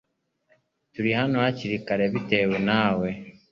Turi hano hakiri kare bitewe nawe